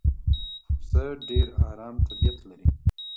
پسه ډېر آرام طبیعت لري.